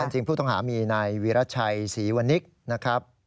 จริงผู้ต้องหามีนายวีรชัยศรีวนิกนะครับ